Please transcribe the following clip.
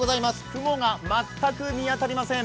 雲が全く見当たりません